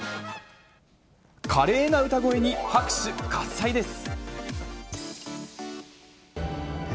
華麗な歌声に拍手喝采です。